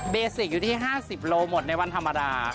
สิกอยู่ที่๕๐โลหมดในวันธรรมดา